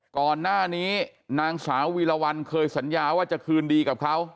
ก่อนหน้านี้นางสาววีรวรรณเคยสัญญาว่าจะคืนดีกับเขา